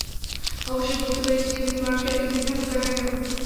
অবশেষে বুঝতে পেরেছি টিভিতে মানুষকে এত বিভ্রান্ত দেখায় কেন?